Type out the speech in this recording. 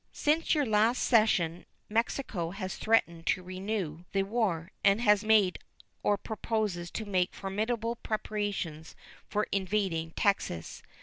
Since your last session Mexico has threatened to renew the war, and has either made or proposes to make formidable preparations for invading Texas.